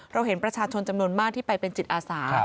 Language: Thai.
เราเห็นประชาชนจำนวนมากที่ไปเป็นจิตอาสา